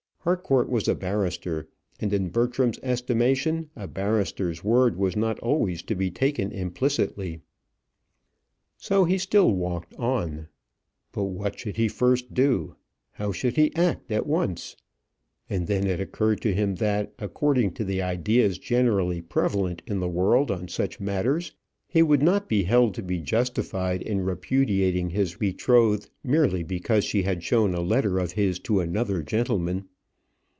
Harcourt was a barrister; and in Bertram's estimation a barrister's word was not always to be taken implicitly. So he still walked on. But what should he first do? how should he act at once? And then it occurred to him that, according to the ideas generally prevalent in the world on such matters, he would not be held to be justified in repudiating his betrothed merely because she had shown a letter of his to another gentleman.